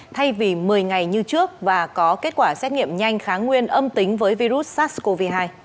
thay vì một mươi ngày như trước và có kết quả xét nghiệm nhanh kháng nguyên âm tính với virus sars cov hai